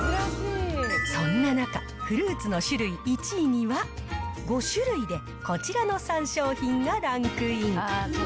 そんな中、フルーツの種類１位には、５種類でこちらの３商品がランクイン。